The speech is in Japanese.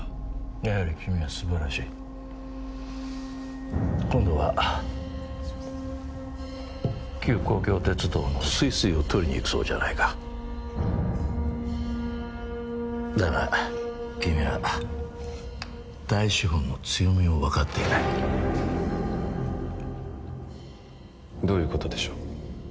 やはり君は素晴らしい今度は旧公共鉄道のＳＵＩＳＵＩを取りにいくそうじゃないかだが君は大資本の強みを分かっていないどういうことでしょう？